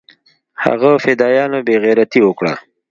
هغه فدايانو بې غيرتي اوکړه.